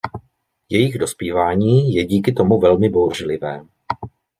Jejich dospívání je díky tomu velmi bouřlivé.